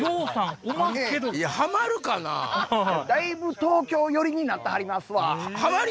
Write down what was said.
だいぶ東京寄りになってはりますわ。